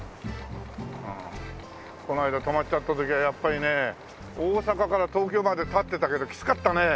この間止まっちゃった時はやっぱりね大阪から東京まで立ってたけどきつかったね。